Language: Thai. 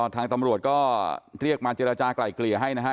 ทางตำรวจก็เรียกมาเจรจากลายเกลี่ยให้นะฮะ